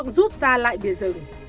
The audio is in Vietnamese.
rút ra lại bề rừng